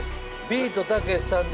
「ビートたけしさん